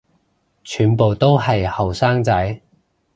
全部都係後生仔